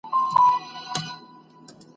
ستا د غواوو دي تېره تېره ښکرونه ..